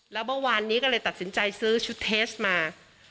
แล้วเมื่อวานนี้ก็เลยตัดสินใจซื้อชุดเทสมา